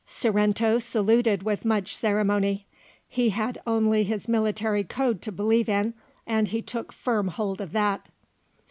Sorrento saluted with much ceremony. He had only his military code to believe in, and he took firm hold of that.